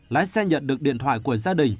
lái xe nhận được điện thoại của gia đình